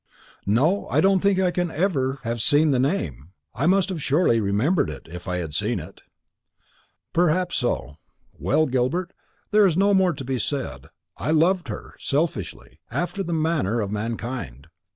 "No, I don't think I can ever have seen the name; I must surely have remembered it, if I had seen it." "Perhaps so. Well, Gilbert, there is no more to be said. I loved her, selfishly, after the manner of mankind.